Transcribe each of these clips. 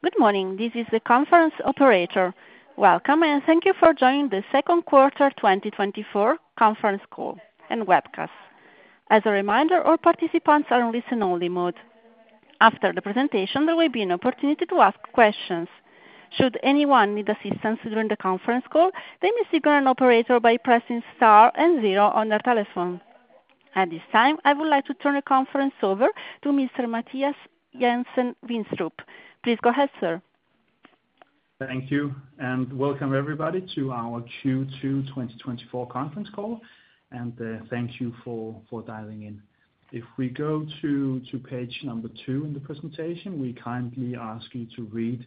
Good morning. This is the conference operator. Welcome, and thank you for joining the Second Quarter 2024 Conference Call and Webcast. As a reminder, all participants are in listen-only mode. After the presentation, there will be an opportunity to ask questions. Should anyone need assistance during the conference call, they may signal an operator by pressing star and zero on their telephone. At this time, I would like to turn the conference over to Mr. Mathias Jensen-Vinstrup. Please go ahead, sir. Thank you, and welcome everybody to our Q2 2024 conference call, and thank you for dialing in. If we go to page two in the presentation, we kindly ask you to read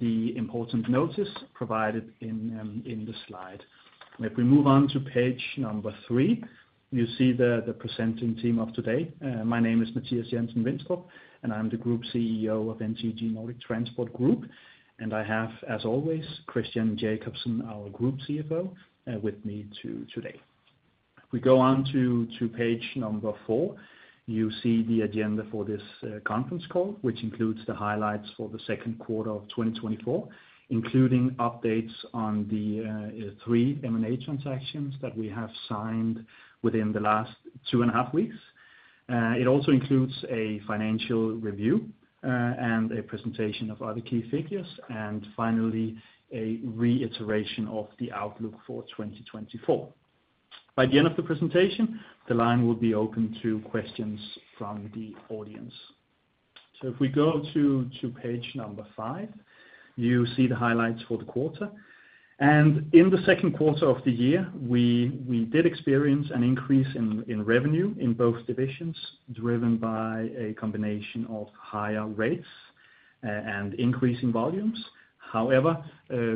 the important notice provided in the slide. If we move on to page three, you see the presenting team of today. My name is Mathias Jensen-Vinstrup, and I'm the Group CEO of NTG Nordic Transport Group, and I have, as always, Christian Jakobsen, our Group CFO, with me today. If we go on to page four, you see the agenda for this conference call, which includes the highlights for the second quarter of 2024, including updates on the three M&A transactions that we have signed within the last two and a half weeks. It also includes a financial review and a presentation of other key figures, and finally, a reiteration of the outlook for 2024. By the end of the presentation, the line will be open to questions from the audience. So if we go to page number five, you see the highlights for the quarter. In the second quarter of the year, we did experience an increase in revenue in both divisions, driven by a combination of higher rates and increasing volumes. However,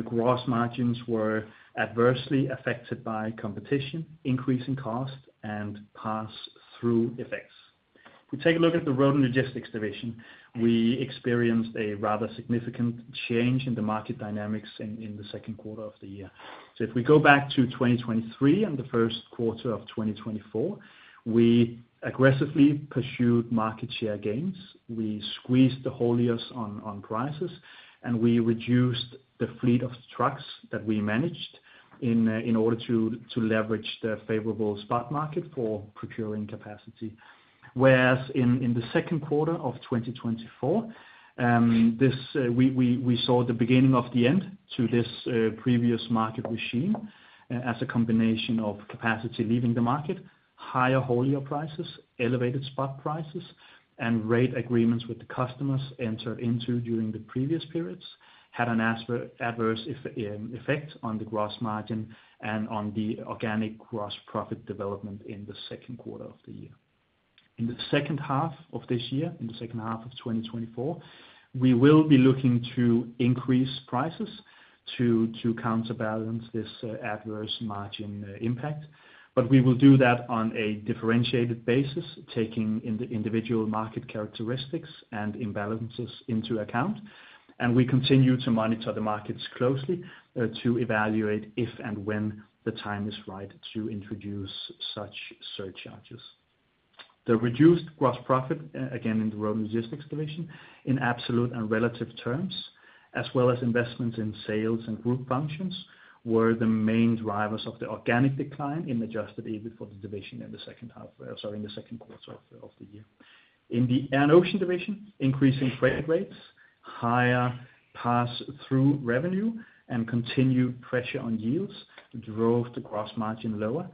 gross margins were adversely affected by competition, increasing cost, and pass-through effects. If we take a look at the Road & Logistics division, we experienced a rather significant change in the market dynamics in the second quarter of the year. So if we go back to 2023 and the first quarter of 2024, we aggressively pursued market share gains, we squeezed the hauliers on prices, and we reduced the fleet of trucks that we managed in order to leverage the favorable spot market for procuring capacity. Whereas in the second quarter of 2024, we saw the beginning of the end to this previous market regime as a combination of capacity leaving the market, higher haulier prices, elevated spot prices, and rate agreements with the customers entered into during the previous periods had an adverse effect on the gross margin and on the organic gross profit development in the second quarter of the year. In the second half of this year, in the second half of 2024, we will be looking to increase prices to counterbalance this adverse margin impact, but we will do that on a differentiated basis, taking individual market characteristics and imbalances into account. We continue to monitor the markets closely to evaluate if and when the time is right to introduce such surcharges. The reduced gross profit, again in the Road & Logistics division, in absolute and relative terms, as well as investments in sales and group functions, were the main drivers of the organic decline in adjusted EBIT for the division in the second half, sorry, in the second quarter of the year. In the Air & Ocean division, increasing freight rates, higher pass-through revenue, and continued pressure on yields drove the gross margin lower,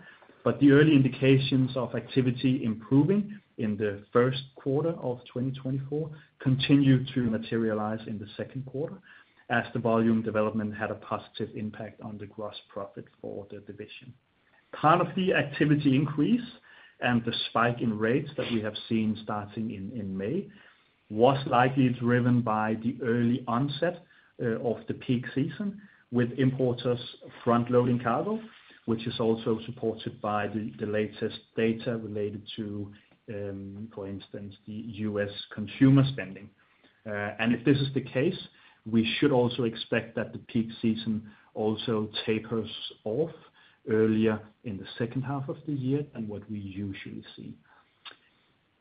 but the early indications of activity improving in the first quarter of 2024 continued to materialize in the second quarter as the volume development had a positive impact on the gross profit for the division. Part of the activity increase and the spike in rates that we have seen starting in May was likely driven by the early onset of the peak season with importers front-loading cargo, which is also supported by the latest data related to, for instance, the U.S. consumer spending. If this is the case, we should also expect that the peak season also tapers off earlier in the second half of the year than what we usually see.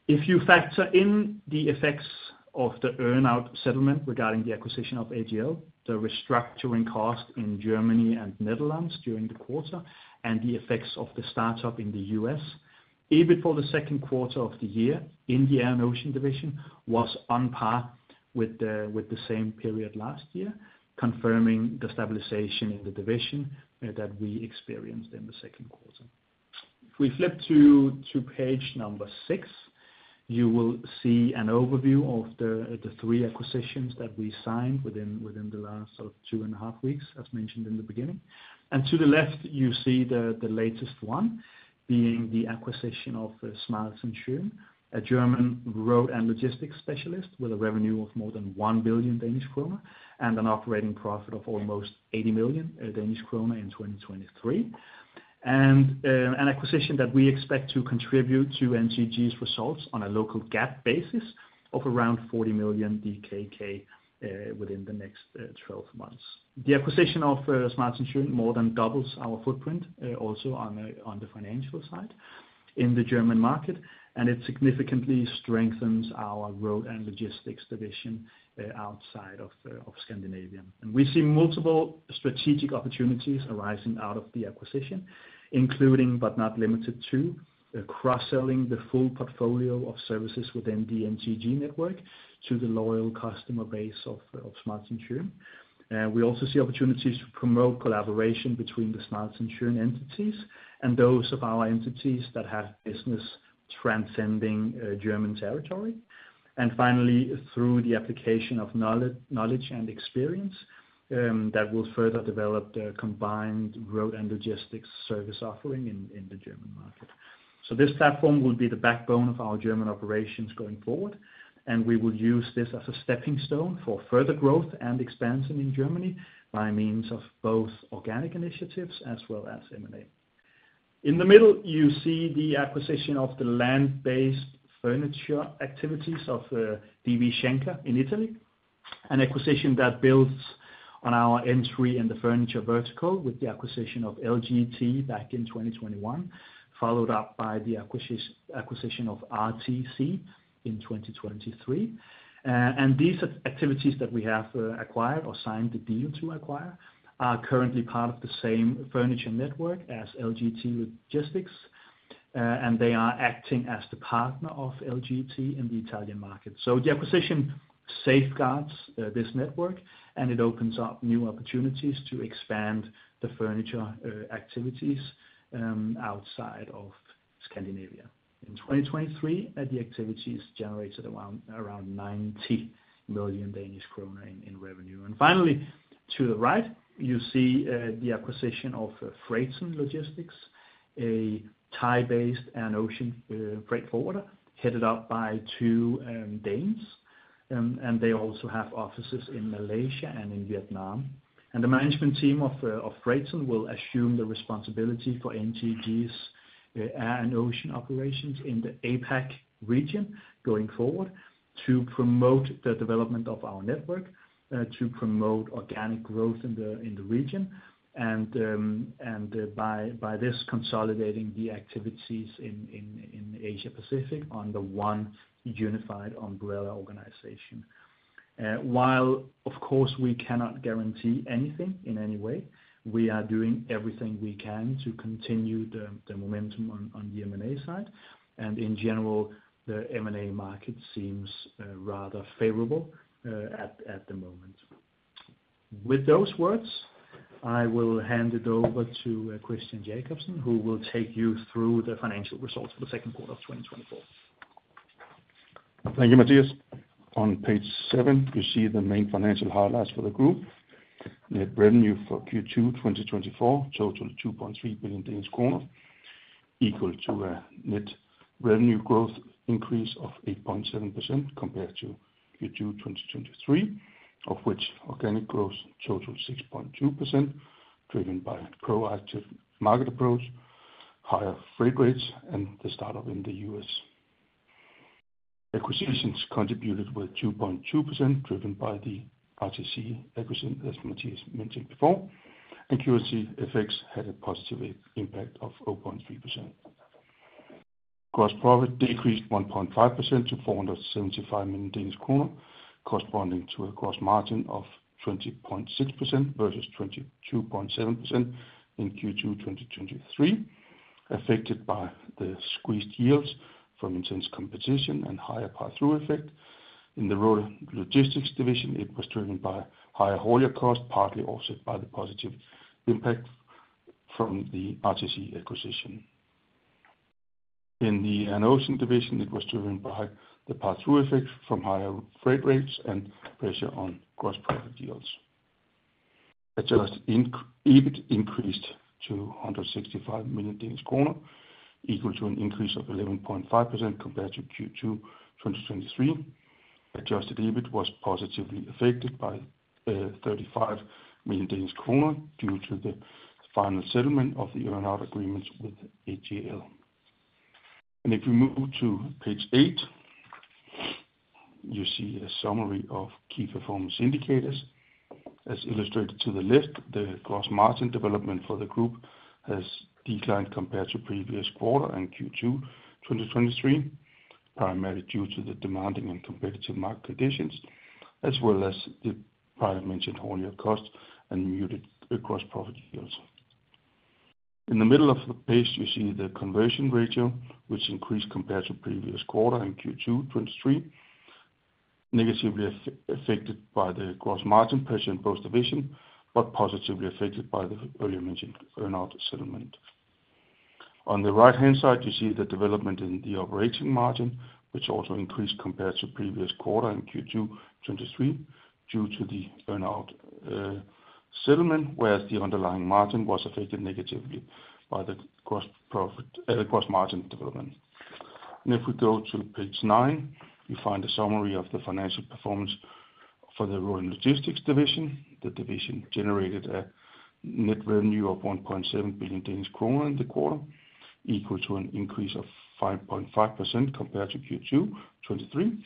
If you factor in the effects of the earnout settlement regarding the acquisition of AGL, the restructuring cost in Germany and Netherlands during the quarter, and the effects of the startup in the U.S., EBIT for the second quarter of the year in the Air & Ocean division was on par with the same period last year, confirming the stabilization in the division that we experienced in the second quarter. If we flip to page six, you will see an overview of the three acquisitions that we signed within the last 2.5 weeks, as mentioned in the beginning. To the left, you see the latest one being the acquisition of Schmalz+Schön a German Road & Logistics specialist with a revenue of more than 1 billion Danish kroner and an operating profit of almost 80 million Danish kroner in 2023. An acquisition that we expect to contribute to NTG's results on a local GAAP basis of around 40 million DKK within the next 12 months. The acquisition of Schmalz+Schön more than doubles our footprint also on the financial side in the German market, and it significantly strengthens our Road & Logistics division outside of Scandinavia. We see multiple strategic opportunities arising out of the acquisition, including but not limited to cross-selling the full portfolio of services within the NTG network to the loyal customer base of Schmalz+Schön. We also see opportunities to promote collaboration between the Schmalz+Schön entities and those of our entities that have business transcending German territory. And finally, through the application of knowledge and experience that will further develop the combined Road & Logistics service offering in the German market. This platform will be the backbone of our German operations going forward, and we will use this as a stepping stone for further growth and expansion in Germany by means of both organic initiatives as well as M&A. In the middle, you see the acquisition of the land-based furniture activities of DB Schenker in Italy, an acquisition that builds on our entry in the furniture vertical with the acquisition of LGT Logistics back in 2021, followed up by the acquisition of RTC in 2023. These activities that we have acquired or signed a deal to acquire are currently part of the same furniture network as LGT Logistics, and they are acting as the partner of LGT in the Italian market. The acquisition safeguards this network, and it opens up new opportunities to expand the furniture activities outside of Scandinavia. In 2023, the activities generated around 90 million Danish kroner in revenue. Finally, to the right, you see the acquisition of Freightzen Logistics, a Thai-based Air & Ocean freight forwarder headed up by two Danes, and they also have offices in Malaysia and in Vietnam. The management team of Freightzen will assume the responsibility for NTG's Air & Ocean operations in the APAC region going forward to promote the development of our network, to promote organic growth in the region, and by this consolidating the activities in Asia-Pacific under one unified umbrella organization. While, of course, we cannot guarantee anything in any way, we are doing everything we can to continue the momentum on the M&A side, and in general, the M&A market seems rather favorable at the moment. With those words, I will hand it over to Christian Jakobsen, who will take you through the financial results for the second quarter of 2024. Thank you, Mathias. On page seven, you see the main financial highlights for the group. Net revenue for Q2 2024 totaled 2.3 billion Danish kroner, equal to a net revenue growth increase of 8.7% compared to Q2 2023, of which organic growth totaled 6.2%, driven by a proactive market approach, higher freight rates, and the startup in the U.S. Acquisitions contributed with 2.2%, driven by the RTC acquisition, as Mathias mentioned before, and SCS effects had a positive impact of 0.3%. Gross profit decreased 1.5% to 475 million Danish kroner, corresponding to a gross margin of 20.6% versus 22.7% in Q2 2023, affected by the squeezed yields from intense competition and higher pass-through effect. In the Road & Logistics division, it was driven by higher haulier cost, partly offset by the positive impact from the RTC acquisition. In the Air & Ocean division, it was driven by the pass-through effect from higher freight rates and pressure on gross profit yields. Adjusted EBIT increased to 165 million Danish kroner, equal to an increase of 11.5% compared to Q2 2023. Adjusted EBIT was positively affected by 35 million Danish kroner due to the final settlement of the earnout agreements with AGL. If we move to page 8, you see a summary of key performance indicators. As illustrated to the left, the gross margin development for the group has declined compared to previous quarter and Q2 2023, primarily due to the demanding and competitive market conditions, as well as the previously mentioned haulier cost and muted gross profit yields. In the middle of the page, you see the conversion ratio, which increased compared to previous quarter and Q2 2023, negatively affected by the gross margin pressure in both divisions, but positively affected by the earlier mentioned earnout settlement. On the right-hand side, you see the development in the operating margin, which also increased compared to previous quarter and Q2 2023 due to the earnout settlement, whereas the underlying margin was affected negatively by the gross margin development. If we go to page 9, you find a summary of the financial performance for the Road & Logistics division. The division generated a net revenue of 1.7 billion Danish kroner in the quarter, equal to an increase of 5.5% compared to Q2 2023,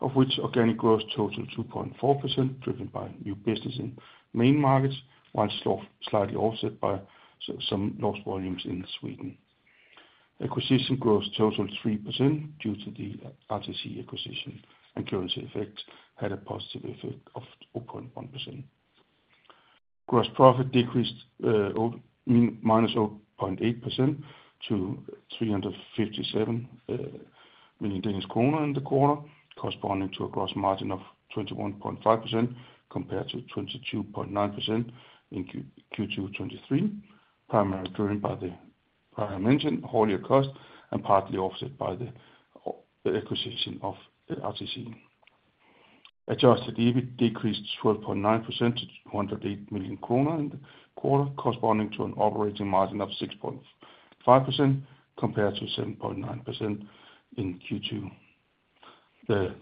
of which organic growth totaled 2.4%, driven by new business in main markets, while slightly offset by some lost volumes in Sweden. Acquisition growth totaled 3% due to the RTC acquisition, and currency effects had a positive effect of 0.1%. Gross profit decreased minus 0.8% to 357 million Danish kroner in the quarter, corresponding to a gross margin of 21.5% compared to 22.9% in Q2 2023, primarily driven by the prior mentioned haulier cost and partly offset by the acquisition of RTC. Adjusted EBIT decreased 12.9% to 208 million kroner in the quarter, corresponding to an operating margin of 6.5% compared to 7.9% in Q2. The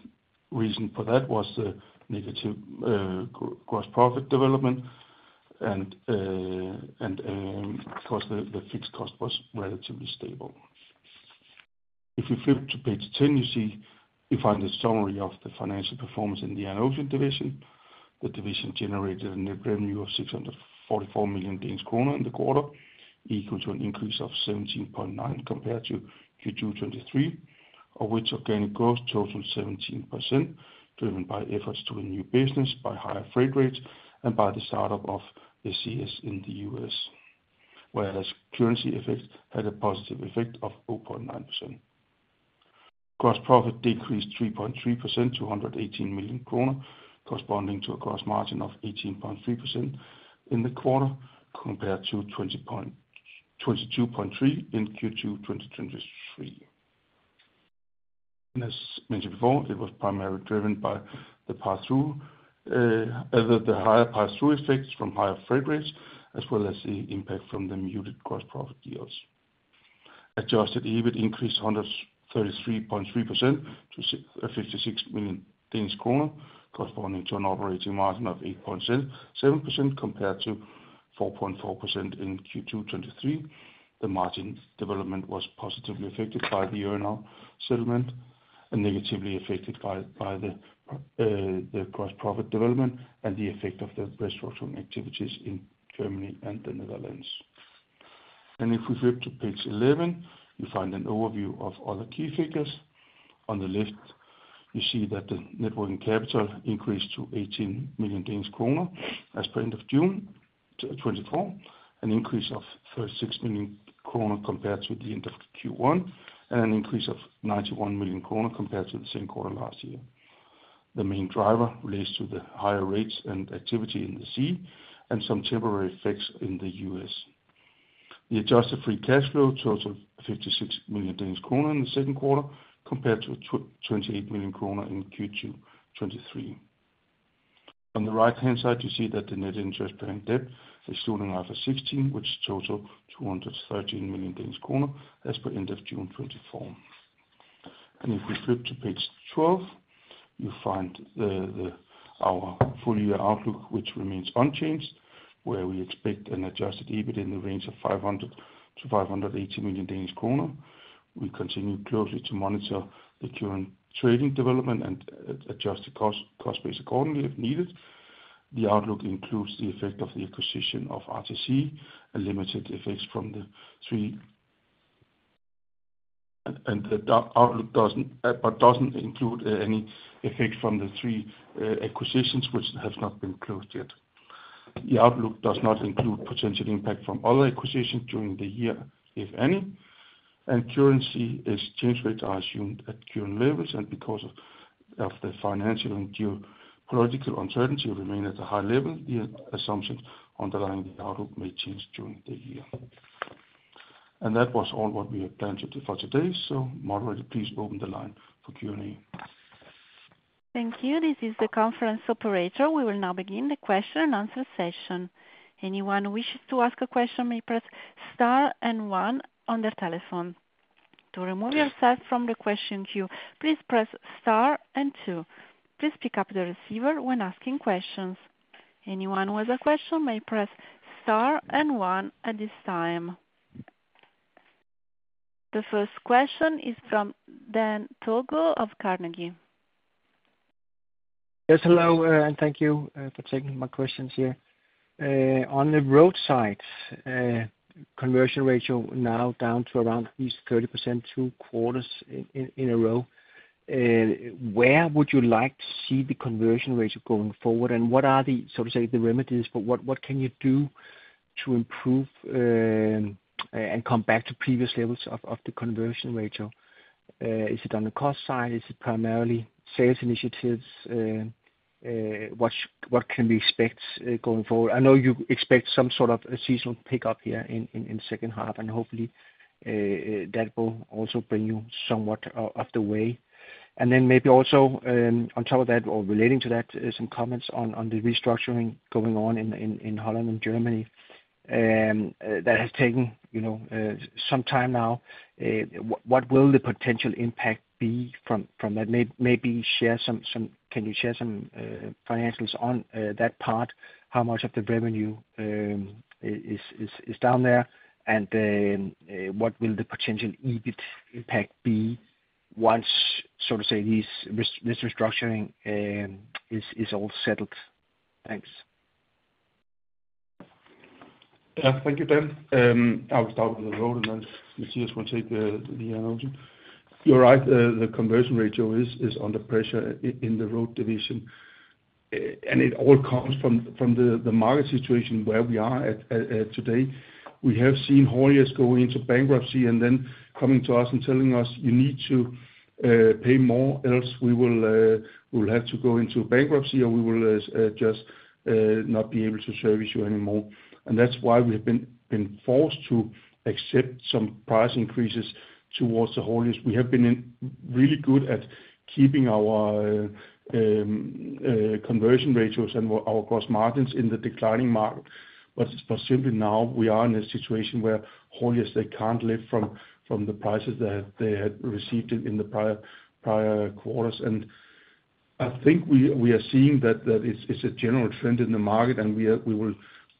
reason for that was the negative gross profit development, and of course, the fixed cost was relatively stable. If you flip to page 10, you find a summary of the financial performance in the Air & Ocean division. The division generated a net revenue of 644 million Danish kroner in the quarter, equal to an increase of 17.9% compared to Q2 2023, of which organic growth totaled 17%, driven by efforts to renew business by higher freight rates and by the startup of SCS in the U.S., whereas currency effects had a positive effect of 0.9%. Gross profit decreased 3.3% to 118 million kroner, corresponding to a gross margin of 18.3% in the quarter compared to 22.3% in Q2 2023. As mentioned before, it was primarily driven by the pass-through, the higher pass-through effects from higher freight rates, as well as the impact from the muted gross profit yields. Adjusted EBIT increased 133.3% to 56 million Danish kroner, corresponding to an operating margin of 8.7% compared to 4.4% in Q2 2023. The margin development was positively affected by the earnout settlement and negatively affected by the gross profit development and the effect of the restructuring activities in Germany and the Netherlands. If we flip to page 11, you find an overview of other key figures. On the left, you see that the net working capital increased to 18 million Danish kroner as of the end of June 2024, an increase of 36 million kroner compared to the end of Q1, and an increase of 91 million kroner compared to the same quarter last year. The main driver relates to the higher rates and activity in the sea and some temporary effects in the US. The adjusted free cash flow totaled 56 million Danish kroner in the second quarter compared to 28 million kroner in Q2 2023. On the right-hand side, you see that the net interest-bearing debt excluding IFRS 16, which totaled 213 million Danish kroner as per end of June 2024. If we flip to page 12, you find our full-year outlook, which remains unchanged, where we expect an adjusted EBIT in the range of 500 million-580 million Danish kroner. We continue closely to monitor the current trading development and adjust the cost base accordingly if needed. The outlook includes the effect of the acquisition of RTC and limited effects from the three, and the outlook doesn't include any effects from the three acquisitions, which have not been closed yet. The outlook does not include potential impact from other acquisitions during the year, if any, and currency exchange rates are assumed at current levels, and because of the financial and geopolitical uncertainty remaining at a high level, the assumptions underlying the outlook may change during the year. That was all what we had planned for today, so Margaret, please open the line for Q&A. Thank you. This is the conference operator. We will now begin the question-and-answer session. Anyone who wishes to ask a question may press star and one on their telephone. To remove yourself from the question queue, please press star and two. Please pick up the receiver when asking questions. Anyone who has a question may press star and one at this time. The first question is from Dan Togo of Carnegie. Yes, hello, and thank you for taking my questions here. On the roadside, conversion ratio now down to around at least 30% two quarters in a row. Where would you like to see the conversion ratio going forward, and what are the, so to say, the remedies? What can you do to improve and come back to previous levels of the conversion ratio? Is it on the cost side? Is it primarily sales initiatives? What can we expect going forward? I know you expect some sort of a seasonal pickup here in the second half, and hopefully, that will also bring you somewhat of the way. And then maybe also on top of that, or relating to that, some comments on the restructuring going on in Holland and Germany that has taken some time now. What will the potential impact be from that? Maybe share some. Can you share some financials on that part? How much of the revenue is down there? What will the potential EBIT impact be once, so to say, this restructuring is all settled? Thanks. Thank you, Dan. I will start with the road, and then Mathias will take the Air & Ocean. You're right. The conversion ratio is under pressure in the road division, and it all comes from the market situation where we are at today. We have seen hauliers go into bankruptcy and then coming to us and telling us, "You need to pay more, else we will have to go into bankruptcy, or we will just not be able to service you anymore." And that's why we have been forced to accept some price increases towards the hauliers. We have been really good at keeping our conversion ratios and our gross margins in the declining market, but simply now we are in a situation where hauliers, they can't live from the prices that they had received in the prior quarters. I think we are seeing that it's a general trend in the market, and we will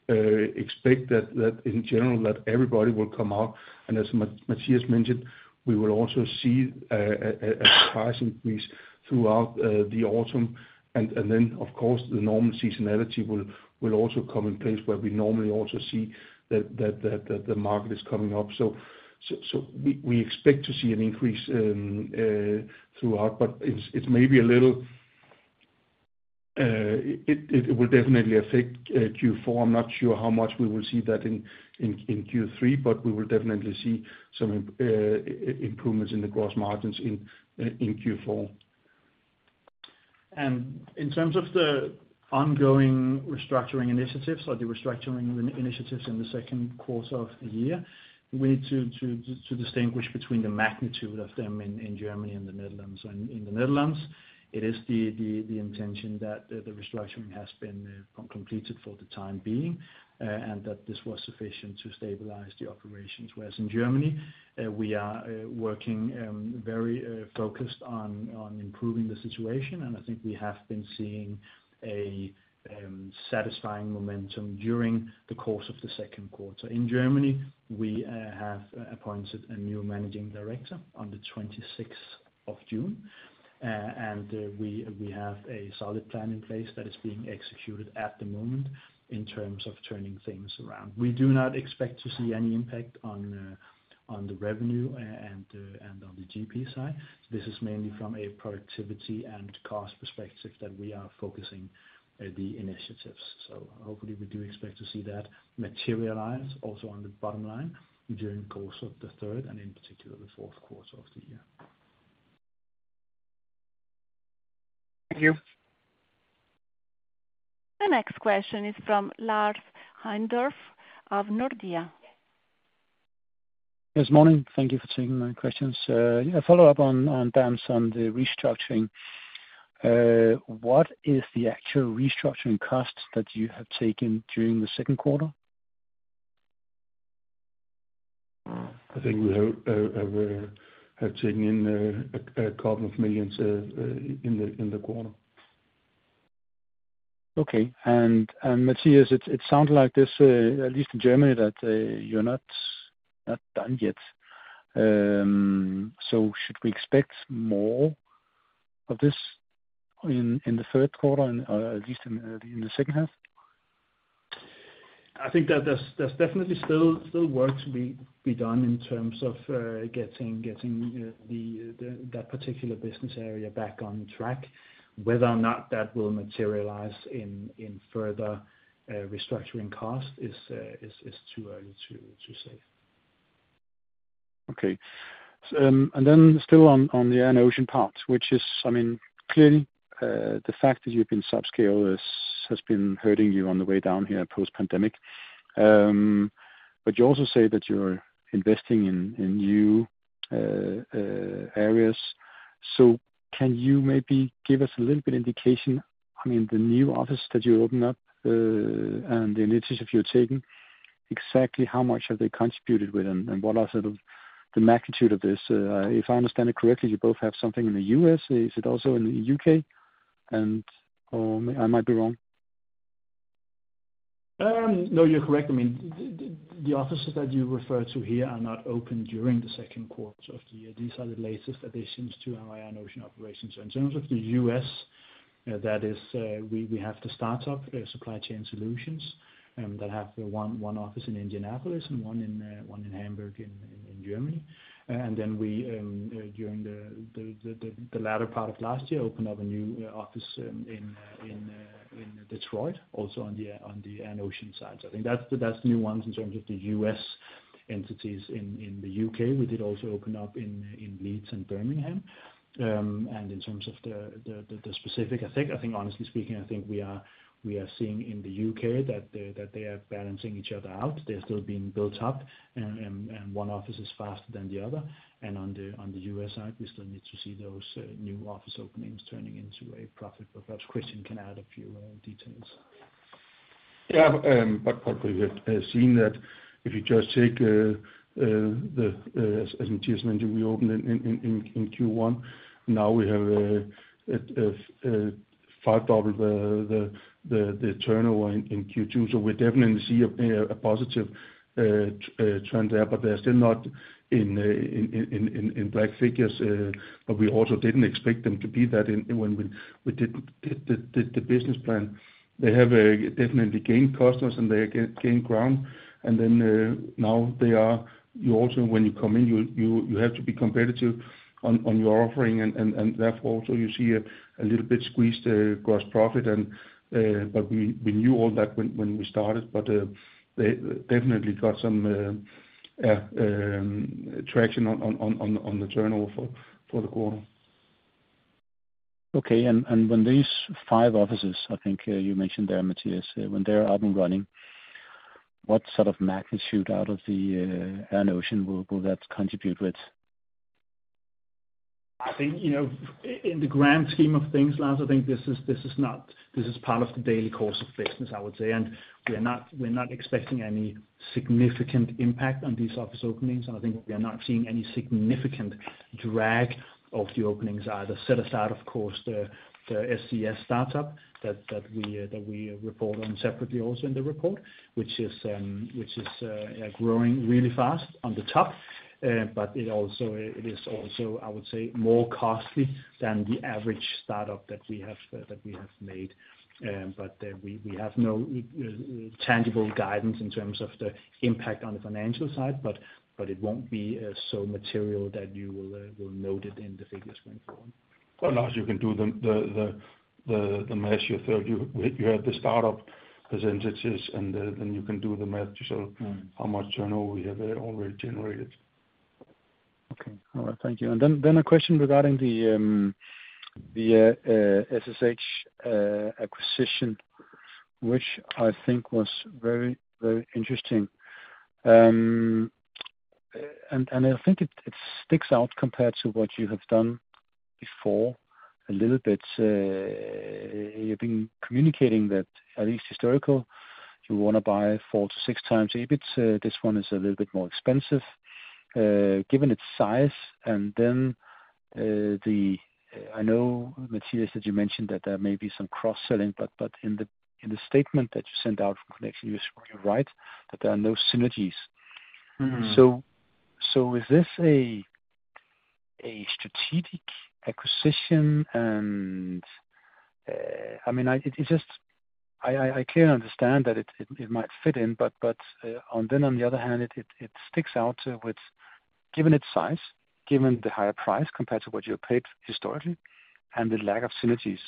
expect that in general that everybody will come out. And as Mathias mentioned, we will also see a price increase throughout the autumn, and then, of course, the normal seasonality will also come in place where we normally also see that the market is coming up. So we expect to see an increase throughout, but it's maybe a little. It will definitely affect Q4. I'm not sure how much we will see that in Q3, but we will definitely see some improvements in the gross margins in Q4. In terms of the ongoing restructuring initiatives or the restructuring initiatives in the second quarter of the year, we need to distinguish between the magnitude of them in Germany and the Netherlands. In the Netherlands, it is the intention that the restructuring has been completed for the time being and that this was sufficient to stabilize the operations, whereas in Germany, we are working very focused on improving the situation, and I think we have been seeing a satisfying momentum during the course of the second quarter. In Germany, we have appointed a new managing director on the 26th of June, and we have a solid plan in place that is being executed at the moment in terms of turning things around. We do not expect to see any impact on the revenue and on the GP side. This is mainly from a productivity and cost perspective that we are focusing the initiatives. So hopefully, we do expect to see that materialize also on the bottom line during the course of the third and in particular the fourth quarter of the year. Thank you. The next question is from Lars Heindorff of Nordea. Yes, morning. Thank you for taking my questions. A follow-up on Dan, on the restructuring. What is the actual restructuring cost that you have taken during the second quarter? I think we have taken in DKK a couple of millions in the quarter. Okay. And Mathias, it sounds like this, at least in Germany, that you're not done yet. So should we expect more of this in the third quarter or at least in the second half? I think that there's definitely still work to be done in terms of getting that particular business area back on track. Whether or not that will materialize in further restructuring cost is too early to say. Okay. And then still on the Air & Ocean part, which is, I mean, clearly the fact that you've been subscale has been hurting you on the way down here post-pandemic, but you also say that you're investing in new areas. So can you maybe give us a little bit of indication, I mean, the new office that you opened up and the initiatives you're taking, exactly how much have they contributed with and what are the magnitude of this? If I understand it correctly, you both have something in the U.S. Is it also in the U.K.? And I might be wrong. No, you're correct. I mean, the offices that you refer to here are not open during the second quarter of the year. These are the latest additions to our Air & Ocean operations. In terms of the U.S., that is, we have the startup Supply Chain Solutions that have one office in Indianapolis and one in Hamburg in Germany. And then we, during the latter part of last year, opened up a new office in Detroit, also on the Air & Ocean side. So I think that's the new ones in terms of the U.S. entities. In the U.K., we did also open up in Leeds and Birmingham. And in terms of the specific, I think, honestly speaking, I think we are seeing in the U.K. that they are balancing each other out. They're still being built up, and one office is faster than the other. On the U.S. side, we still need to see those new office openings turning into a profit. Perhaps Christian can add a few details. Yeah, but we have seen that if you just take the, as Mathias mentioned, we opened in Q1. Now we have five double the turnover in Q2, so we definitely see a positive trend there, but they're still not in black figures. But we also didn't expect them to be that when we did the business plan. They have definitely gained customers, and they gained ground. And then now they are also, when you come in, you have to be competitive on your offering, and therefore also you see a little bit squeezed gross profit. But we knew all that when we started, but they definitely got some traction on the turnover for the quarter. Okay. And when these five offices, I think you mentioned there, Mathias, when they're up and running, what sort of magnitude out of the Air & Ocean will that contribute with? I think in the grand scheme of things, Lars, I think this is part of the daily course of business, I would say, and we're not expecting any significant impact on these office openings. And I think we are not seeing any significant drag of the openings either. Set aside, of course, the SCS startup that we report on separately also in the report, which is growing really fast on the top, but it is also, I would say, more costly than the average startup that we have made. But we have no tangible guidance in terms of the impact on the financial side, but it won't be so material that you will note it in the figures going forward. Well, Lars, you can do the math yourself. You have the startup as entities, and then you can do the math to show how much turnover we have already generated. Okay. All right. Thank you. And then a question regarding the SSH acquisition, which I think was very, very interesting. And I think it sticks out compared to what you have done before a little bit. You've been communicating that, at least historically, you want to buy four to six times EBITs. This one is a little bit more expensive given its size. And then I know, Mathias, that you mentioned that there may be some cross-selling, but in the statement that you sent out in connection, you're right that there are no synergies. So is this a strategic acquisition? And I mean, I clearly understand that it might fit in, but then on the other hand, it sticks out given its size, given the higher price compared to what you're paid historically, and the lack of synergies.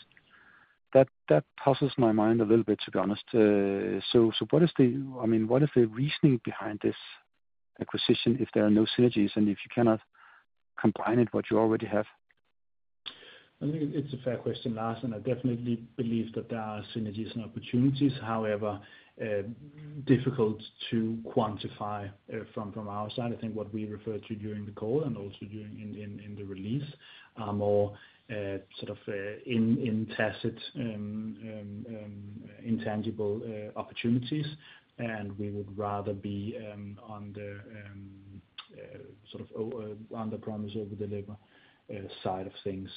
That puzzles my mind a little bit, to be honest. So, I mean, what is the reasoning behind this acquisition if there are no synergies and if you cannot combine it with what you already have? I think it's a fair question, Lars, and I definitely believe that there are synergies and opportunities. However, difficult to quantify from our side. I think what we referred to during the call and also in the release are more sort of intangible opportunities, and we would rather be on the sort of under-promise over-deliver side of things.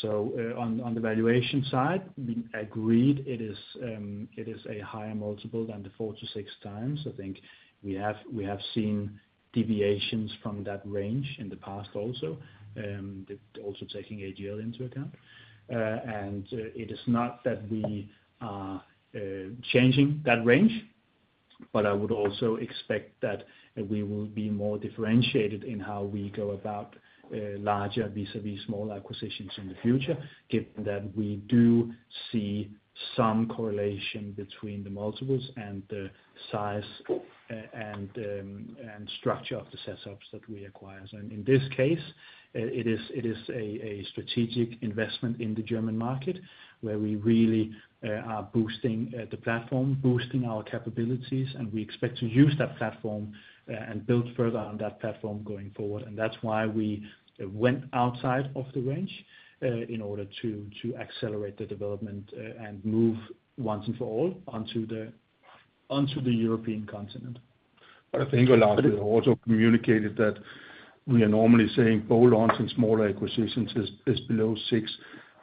So on the valuation side, we agreed it is a higher multiple than the 4-6x. I think we have seen deviations from that range in the past also, also taking AGL into account. It is not that we are changing that range, but I would also expect that we will be more differentiated in how we go about larger vis-à-vis smaller acquisitions in the future, given that we do see some correlation between the multiples and the size and structure of the setups that we acquire. In this case, it is a strategic investment in the German market where we really are boosting the platform, boosting our capabilities, and we expect to use that platform and build further on that platform going forward. And that's why we went outside of the range in order to accelerate the development and move once and for all onto the European continent. But I think, Lars, we also communicated that we are normally saying bolt-on acquisitions is below six,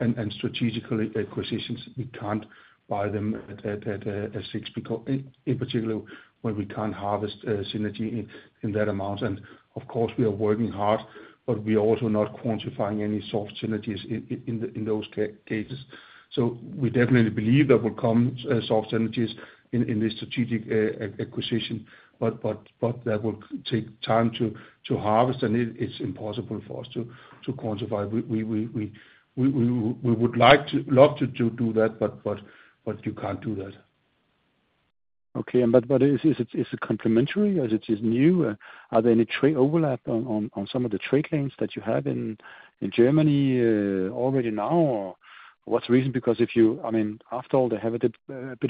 and strategic acquisitions, we can't buy them at a six in particular when we can't harvest synergy in that amount. And of course, we are working hard, but we are also not quantifying any soft synergies in those cases. So we definitely believe there will come soft synergies in this strategic acquisition, but that will take time to harvest, and it's impossible for us to quantify. We would love to do that, but you can't do that. Okay. But is it complementary? Is it new? Are there any trade overlap on some of the trade lanes that you have in Germany already now? What's the reason? Because if you—I mean, after all, they have a bit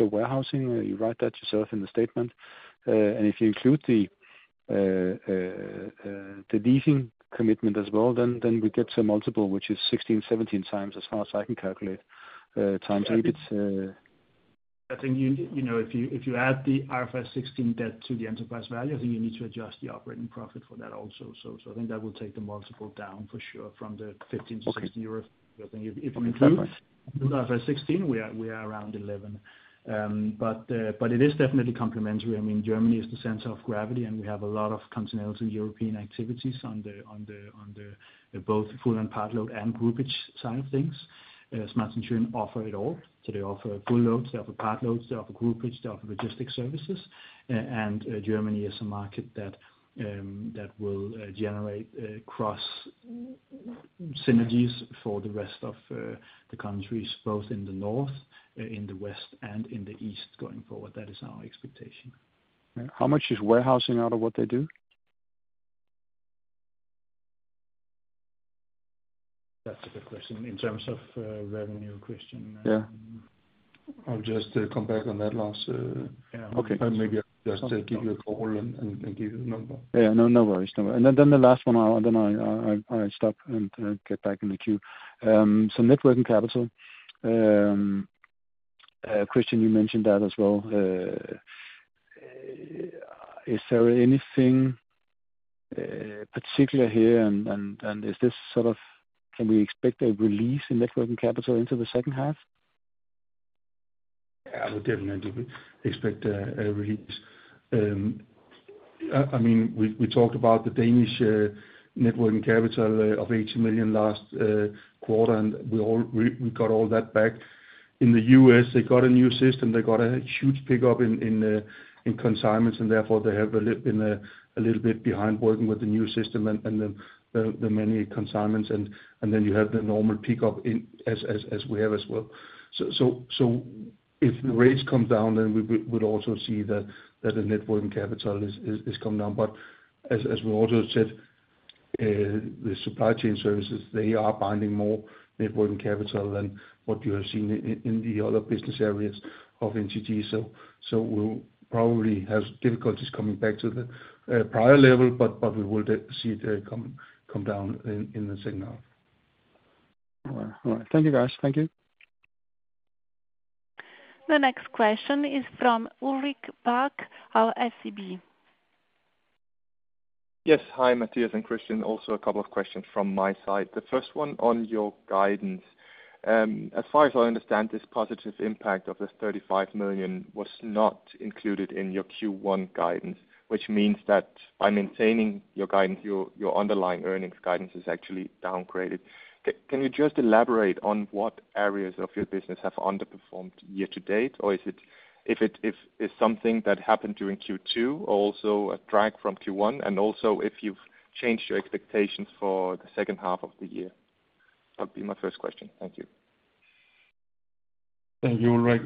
of warehousing. You write that yourself in the statement. And if you include the leasing commitment as well, then we get a multiple, which is 16-17 times, as far as I can calculate, times EBITs. I think if you add the IFRS 16 debt to the enterprise value, I think you need to adjust the operating profit for that also. So I think that will take the multiple down for sure from 15x-16x. I think if you include IFRS 16, we are around 11x. But it is definitely complementary. I mean, Germany is the center of gravity, and we have a lot of continental European activities on both full and part load and groupage side of things. Schmalz+Schön offers it all. So they offer full loads, they offer part loads, they offer groupage, they offer logistic services. And Germany is a market that will generate cross synergies for the rest of the countries, both in the north, in the west, and in the east going forward. That is our expectation. How much is warehousing out of what they do? That's a good question. In terms of revenue, Christian? Yeah. I'll just come back on that, Lars. Okay. Maybe I'll just give you a call and give you the number. Yeah. No worries. And then the last one, then I'll stop and get back in the queue. So net working capital. Christian, you mentioned that as well. Is there anything particular here? And is this sort of, can we expect a release in net working capital into the second half? Yeah, we definitely expect a release. I mean, we talked about the Danish net working capital of 80 million last quarter, and we got all that back. In the U.S., they got a new system. They got a huge pickup in consignments, and therefore they have been a little bit behind working with the new system and the many consignments. And then you have the normal pickup as we have as well. So if the rates come down, then we would also see that the net working capital is coming down. But as we also said, the supply chain services, they are binding more net working capital than what you have seen in the other business areas of NTG. So we'll probably have difficulties coming back to the prior level, but we will see it come down in the second half. All right. Thank you, guys. Thank you. The next question is from Ulrik Bak, of SEB. Yes. Hi, Mathias and Christian. Also a couple of questions from my side. The first one on your guidance. As far as I understand, this positive impact of the 35 million was not included in your Q1 guidance, which means that by maintaining your guidance, your underlying earnings guidance is actually downgraded. Can you just elaborate on what areas of your business have underperformed year to date? Or is it something that happened during Q2, also a drag from Q1? And also if you've changed your expectations for the second half of the year? That would be my first question. Thank you. Thank you, Ulrik.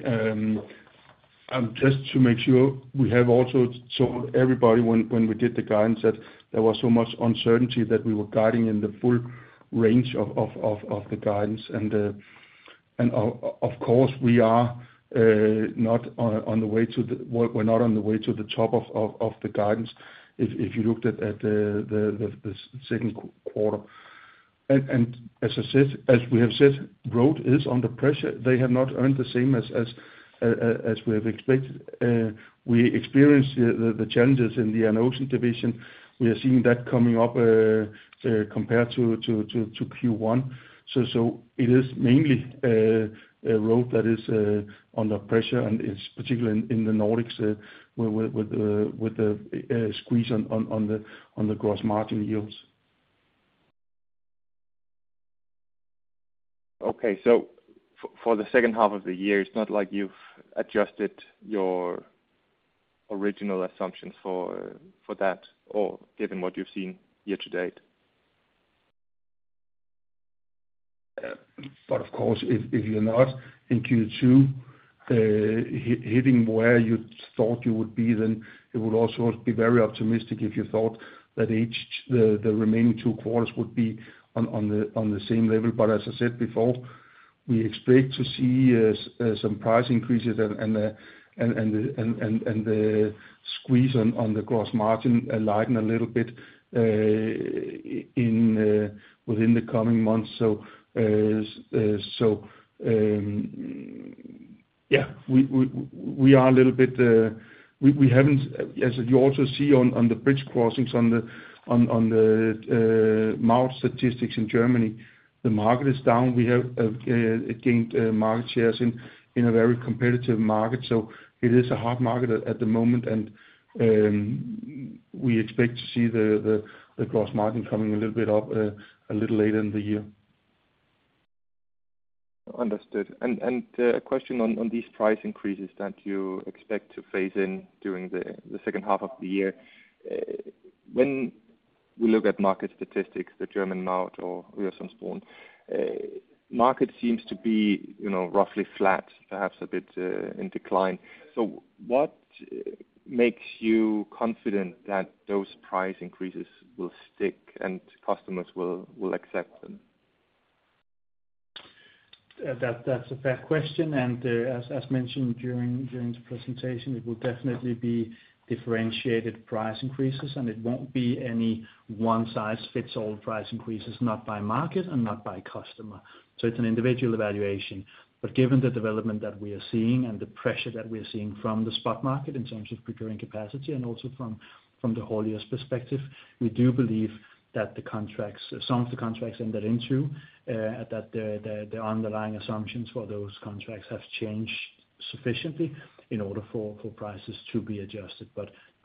Just to make sure, we have also told everybody when we did the guidance that there was so much uncertainty that we were guiding in the full range of the guidance. And of course, we are not on the way to—we're not on the way to the top of the guidance if you looked at the second quarter. And as we have said, growth is under pressure. They have not earned the same as we have expected. We experienced the challenges in the Air & Ocean division. We are seeing that coming up compared to Q1. So it is mainly growth that is under pressure, and it's particularly in the Nordics with the squeeze on the gross margin yields. Okay. So for the second half of the year, it's not like you've adjusted your original assumptions for that, or given what you've seen year to date? But of course, if you're not in Q2 hitting where you thought you would be, then it would also be very optimistic if you thought that the remaining two quarters would be on the same level. But as I said before, we expect to see some price increases and the squeeze on the gross margin lighten a little bit within the coming months. So yeah, we are a little bit - we haven't, as you also see on the bridge crossings on the Maut statistics in Germany, the market is down. We have gained market shares in a very competitive market. So it is a hard market at the moment, and we expect to see the gross margin coming a little bit up a little later in the year. Understood. A question on these price increases that you expect to phase in during the second half of the year. When we look at market statistics, the German Maut or Øresundsbron, the market seems to be roughly flat, perhaps a bit in decline. What makes you confident that those price increases will stick and customers will accept them? That's a fair question. As mentioned during the presentation, it will definitely be differentiated price increases, and it won't be any one-size-fits-all price increases, not by market and not by customer. It's an individual evaluation. Given the development that we are seeing and the pressure that we are seeing from the spot market in terms of procuring capacity and also from the haulier's perspective, we do believe that some of the contracts ended into and that the underlying assumptions for those contracts have changed sufficiently in order for prices to be adjusted.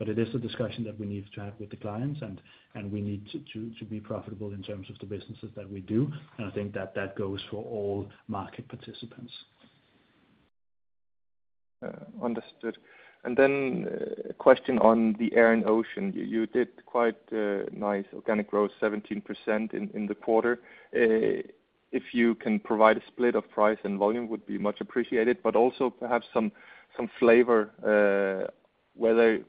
It is a discussion that we need to have with the clients, and we need to be profitable in terms of the businesses that we do. I think that that goes for all market participants. Understood. Then a question on the Air & Ocean. You did quite nice organic growth, 17% in the quarter. If you can provide a split of price and volume, it would be much appreciated, but also perhaps some flavor whether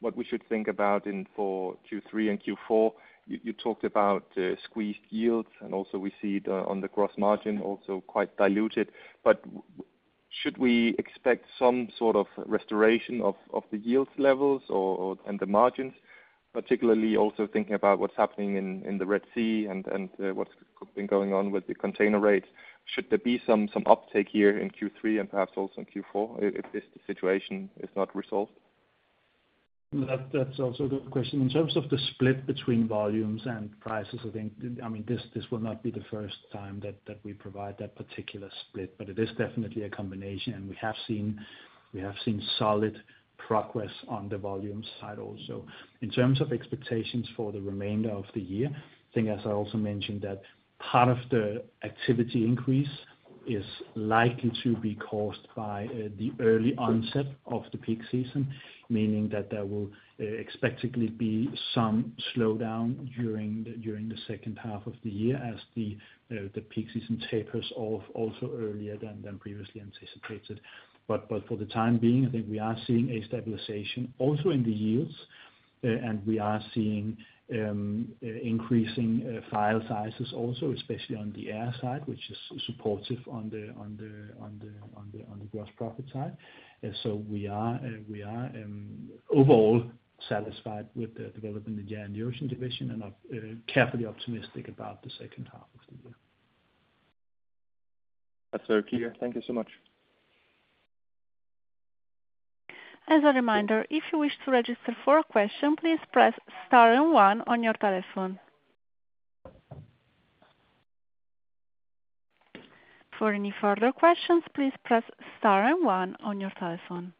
what we should think about in Q3 and Q4. You talked about squeezed yields, and also we see on the gross margin also quite diluted. But should we expect some sort of restoration of the yields levels and the margins, particularly also thinking about what's happening in the Red Sea and what's been going on with the container rates? Should there be some uptake here in Q3 and perhaps also in Q4 if the situation is not resolved? That's also a good question. In terms of the split between volumes and prices, I think, I mean, this will not be the first time that we provide that particular split, but it is definitely a combination, and we have seen solid progress on the volume side also. In terms of expectations for the remainder of the year, I think, as I also mentioned, that part of the activity increase is likely to be caused by the early onset of the peak season, meaning that there will expectedly be some slowdown during the second half of the year as the peak season tapers off also earlier than previously anticipated. But for the time being, I think we are seeing a stabilization also in the yields, and we are seeing increasing file sizes also, especially on the air side, which is supportive on the gross profit side. So we are overall satisfied with the development in the Air & Ocean division and are carefully optimistic about the second half of the year. That's very clear. Thank you so much. As a reminder, if you wish to register for a question, please press Star and One on your telephone. For any further questions, please press Star and One on your telephone.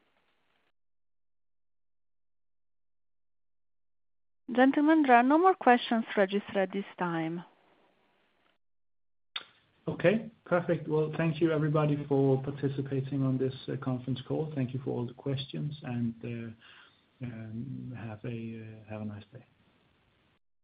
Gentlemen, there are no more questions registered at this time. Okay. Perfect. Well, thank you, everybody, for participating on this conference call. Thank you for all the questions, and have a nice day.